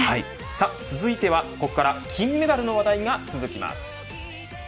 さあ続いてここからは金メダルの話題が続きます。